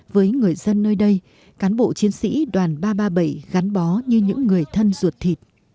với người dân nơi đây cán bộ chiến sĩ đoàn ba trăm ba mươi bảy gắn bó như những người thân ruột thịt